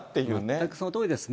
全くそのとおりですね。